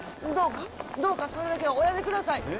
どうかどうかそれだけはおやめください！」。